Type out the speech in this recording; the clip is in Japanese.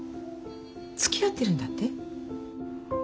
つきあってるんだって？